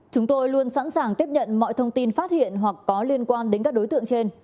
chúng tôi luôn sẵn sàng tiếp nhận mọi thông tin phát hiện hoặc có liên quan đến các đối tượng trên